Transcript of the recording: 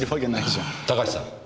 高橋さん。